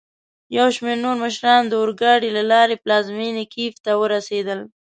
یوشمیرنورمشران داورګاډي له لاري پلازمېني کېف ته ورسېدل.